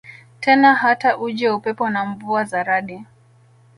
tena Hata uje upepo na mvua za radi